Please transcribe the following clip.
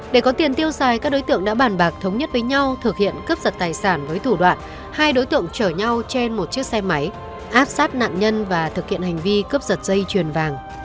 để có tiền tiêu xài các đối tượng đã bàn bạc thống nhất với nhau thực hiện cướp giật tài sản với thủ đoạn hai đối tượng chở nhau trên một chiếc xe máy áp sát nạn nhân và thực hiện hành vi cướp giật dây chuyền vàng